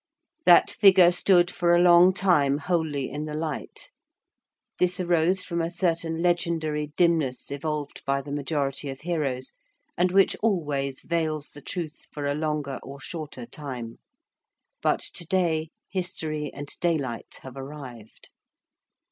That figure stood for a long time wholly in the light; this arose from a certain legendary dimness evolved by the majority of heroes, and which always veils the truth for a longer or shorter time; but to day history and daylight have arrived.